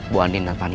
bu andien dan pak nino